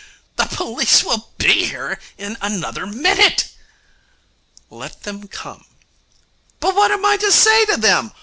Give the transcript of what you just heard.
The police will be here in another minute.' 'Let them come.' 'But what am I to say to them?